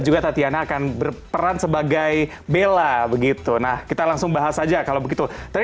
juga tatiana akan berperan sebagai bella begitu nah kita langsung bahas aja kalau begitu tapi